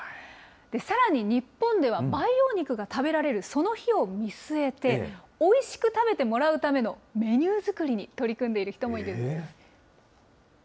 さらに日本では、培養肉が食べられるその日を見据えて、おいしく食べてもらうためのメニュー作りに取り組んでいる人もいるんです。